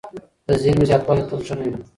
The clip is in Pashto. د زیرمې زیاتوالی تل ښه نه وي.